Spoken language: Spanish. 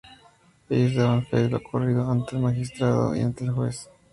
Ellos daban fe de lo ocurrido, ante el magistrado y ante el juez.